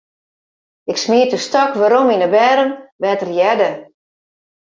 Ik smiet de stôk werom yn 'e berm, dêr't er hearde.